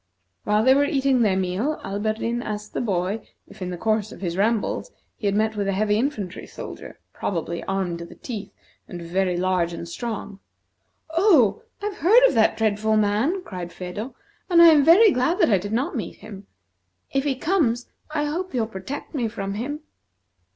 While they were eating their meal, Alberdin asked the boy if in the course of his rambles he had met with a heavy infantry soldier, probably armed to the teeth, and very large and strong. "Oh, I've heard of that dreadful man!" cried Phedo, "and I am very glad that I did not meet him. If he comes, I hope you'll protect me from him."